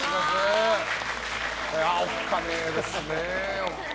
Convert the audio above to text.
おっカネですね。